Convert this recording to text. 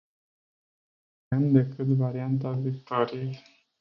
Nu avem decât varianta victoriei.